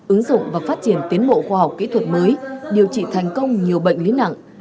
ứng dụng và phát triển tiến bộ khoa học kỹ thuật mới điều trị thành công nhiều bệnh lý nặng